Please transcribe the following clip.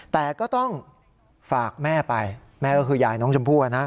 แต่ก็ต้องฝากแม่ไปแม่ก็คือยายน้องชมพู่นะ